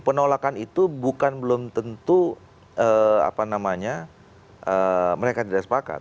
penolakan itu bukan belum tentu mereka tidak sepakat